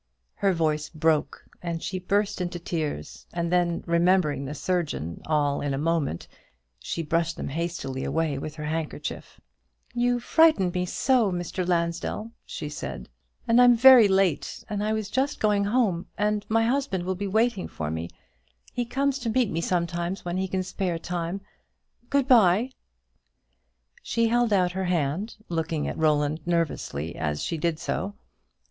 Her voice broke, and she burst into tears; and then, remembering the surgeon all in a moment, she brushed them hastily away with her handkerchief. "You frightened me so, Mr. Lansdell," she said: "and I'm very late, and I was just going home, and my husband will be waiting for me. He comes to meet me sometimes when he can spare time. Good bye." She held out her hand, looking at Roland nervously as she did so.